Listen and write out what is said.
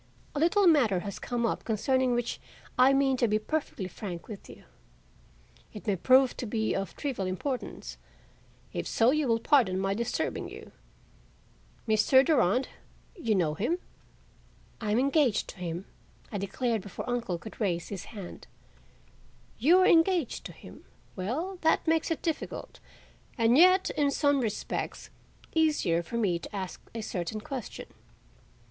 "A little matter has come up concerning which I mean to be perfectly frank with you. It may prove to be of trivial importance; if so, you will pardon my disturbing you. Mr. Durand—you know him?" "I am engaged to him," I declared before poor uncle could raise his hand. "You are engaged to him. Well, that makes it difficult, and yet, in some respects, easier for me to ask a certain question."